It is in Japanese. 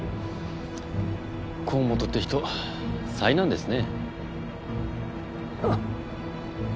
河本って人災難ですね。